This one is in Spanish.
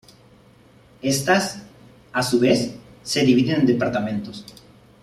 Estas, a su vez, se dividen en departamentos.